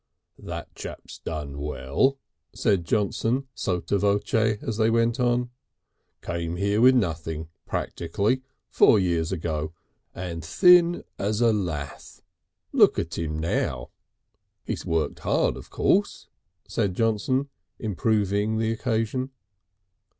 "That chap's done well," said Johnson sotto voce as they went on. "Came here with nothing practically, four years ago. And as thin as a lath. Look at him now! "He's worked hard of course," said Johnson, improving the occasion.